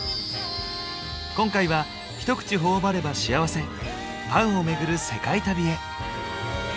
今回は一口頬張れば幸せパンを巡る世界旅へ。